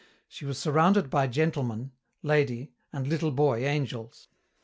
She was surrounded by gentleman , lady , and little boy angels.